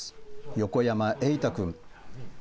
横山瑛大君。